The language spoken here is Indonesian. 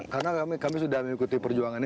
karena kami sudah mengikuti perjuangan ini